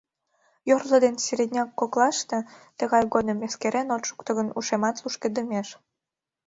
Йорло ден середняк коклаште тыгай годым, эскерен от шукто гын, ушемат лушкыдемеш.